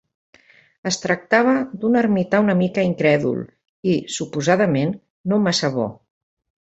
Es tractava d'un ermità una mica incrèdul i, suposadament, no massa bo.